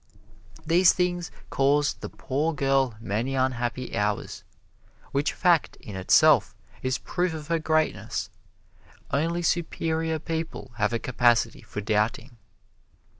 These things caused the poor girl many unhappy hours, which fact, in itself, is proof of her greatness. Only superior people have a capacity for doubting.